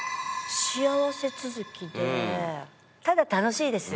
幸せ続きでただ楽しいです。